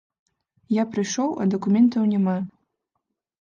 Я прыйшоў, а дакументаў няма.